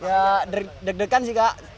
ya deg deg degan sih kak